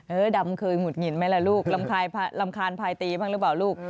ดำเคยหงุดหงิดไหมล่ะลูกรำคาญพายตีบ้างหรือเปล่าลูก